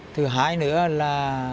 thứ hai nữa là